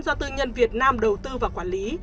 do tư nhân việt nam đầu tư và quản lý